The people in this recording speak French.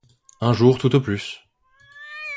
Un jour tout au plus.